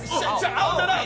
青じゃない！